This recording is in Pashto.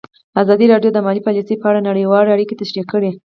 ازادي راډیو د مالي پالیسي په اړه نړیوالې اړیکې تشریح کړي.